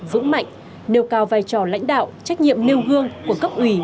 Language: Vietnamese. vững mạnh nêu cao vai trò lãnh đạo trách nhiệm nêu gương của cấp ủy